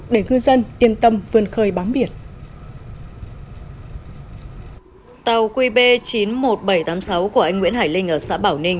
để ngư dân yên tâm vươn khơi bám biển tàu qb chín mươi một nghìn bảy trăm tám mươi sáu của anh nguyễn hải linh ở xã bảo ninh